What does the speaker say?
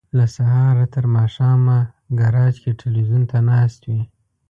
له سهاره تر ماښامه ګراج کې ټلویزیون ته ناست وي.